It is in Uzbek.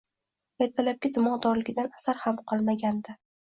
Ertalabki dimog`dorligidan asar ham qolmagandi